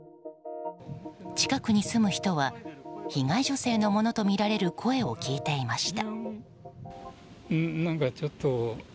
近くに住む人は被害女性のものとみられる声を聞いていました。